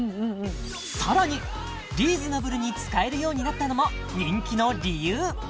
さらにリーズナブルに使えるようになったのも人気の理由